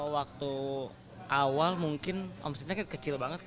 waktu awal mungkin omsetnya kecil banget